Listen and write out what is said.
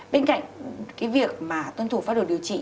bên cạnh cái việc mà tuân thủ pháp đồ điều trị